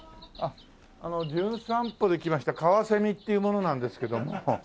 あの『じゅん散歩』で来ましたカワセミっていう者なんですけども。